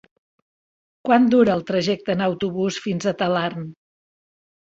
Quant dura el trajecte en autobús fins a Talarn?